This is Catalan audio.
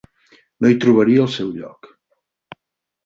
No hi trobaria el seu lloc.